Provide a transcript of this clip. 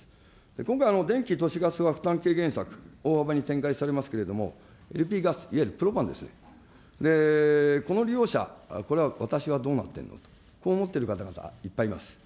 今回、電気・都市ガスは負担軽減策、大幅に展開されますけれども、ＬＰガス、いわゆるプロパンですよね、この利用者、これは私はどうなってるのと、こう思ってる方々、いっぱいいます。